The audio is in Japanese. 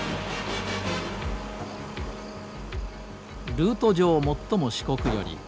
ルート上最も四国寄り。